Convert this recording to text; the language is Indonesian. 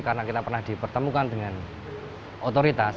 karena kita pernah dipertemukan dengan otoritas